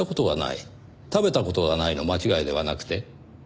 食べた事がないの間違いではなくて？